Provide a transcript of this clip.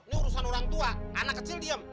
ini urusan orang tua anak kecil diem